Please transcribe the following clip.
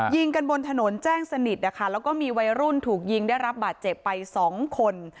ยิงกันบนถนนแจ้งสนิทนะคะแล้วก็มีวัยรุ่นถูกยิงได้รับบาดเจ็บไปสองคน